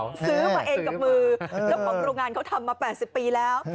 ซื้อมาเองกับมือเจ้าของโรงงานเขาทำมา๘๐ปีแล้ว